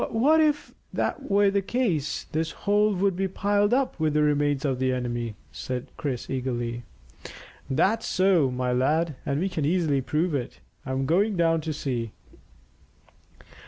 "But if that were the case this hole would be piled up with the remains of the enemy," said Chris eagerly. "That's so, my lad, and we can easily prove it. I'm going down to see."